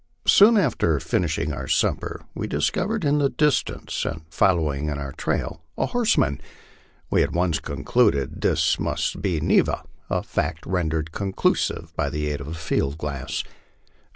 Soon after finishing our supper, we discovered in the distance and follow ing in our trail a horseman. We at once concluded that this must be Neva, a fact rendered conclusive by the aid of a field glass.